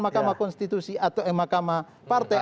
makamah konstitusi atau makamah partai